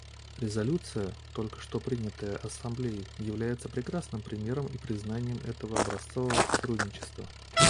Резолюция, только что принятая Ассамблеей, является прекрасным примером и признанием этого образцового сотрудничества.